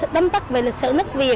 tâm tắc về lịch sử nước việt